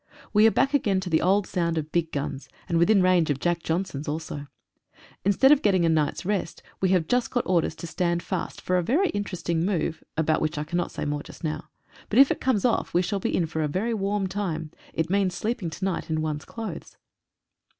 We are back again to the old sound of big guns, and within range of "Jack Johnsons" also. Instead of getting a night's rest, we have just got orders to stand fast for a very interesting move, about which I cannot say more just now — but if it comes off we shall be in for 50 IN THE THICK OF IT. a very warm time. It means sleeping to night in one's clothes.